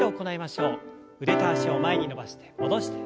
腕と脚を前に伸ばして戻して。